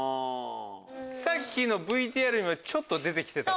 さっきのＶＴＲにもちょっと出てきてたかも。